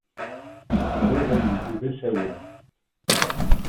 Bɣiɣ ad neddu d asawen.